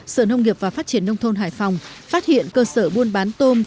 sở nông nghiệp và phát triển nông thôn hải phòng phát hiện cơ sở buôn bán tôm